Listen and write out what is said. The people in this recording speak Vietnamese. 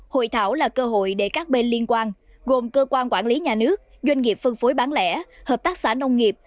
hội thảo là cơ hội để các bên liên quan gồm cơ quan quản lý nhà nước doanh nghiệp phân phối bán lẻ hợp tác xã nông nghiệp